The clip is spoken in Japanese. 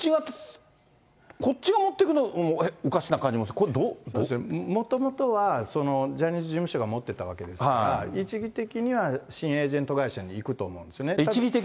こっちが持っていくのもおかしな感じもする、これ、もともとは、ジャニーズ事務所が持っていたわけですから、一義的には新エージェント会社にいくと思うんですね。